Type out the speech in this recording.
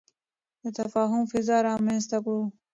د تفاهم فضا رامنځته کړو.